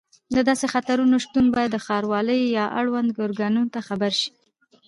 د داسې خطرونو شتون باید ښاروالۍ یا اړوندو ارګانونو ته خبر شي.